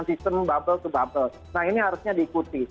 ini harusnya diikuti